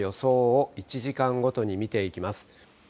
では、このあとの雨の予想を１時間ごとに見ていきます。